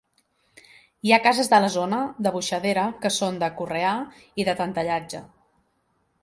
Hi ha cases de la zona de Boixadera que són de Correà i de Tentellatge.